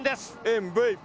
ＭＶＰ！